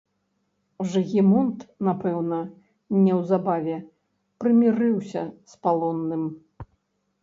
Жыгімонт, напэўна, неўзабаве прымірыўся з палонным.